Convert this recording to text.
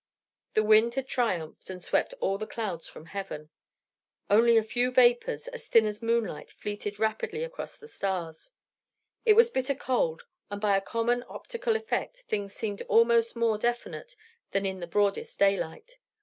The wind had triumphed and swept all the clouds from heaven. Only a few vapors, as thin as moonlight, fleeted rapidly across the stars. It was bitter cold; and by a common optical effect, things seemed almost more definite than in the broadest daylight.